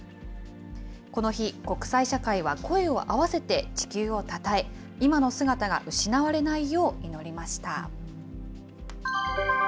この日、国際社会は声を合わせて地球をたたえ、今の姿が失われないよう祈りました。